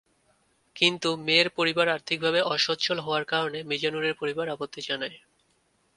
কিন্তু মেয়ের পরিবার আর্থিকভাবে অসচ্ছল হওয়ার কারণে মিজানুরের পরিবার আপত্তি জানায়।